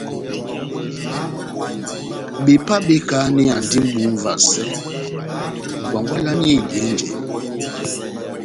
Bepá bekadiyandi mʼbu múvasɛ ngwangwalani eidihe njɛ.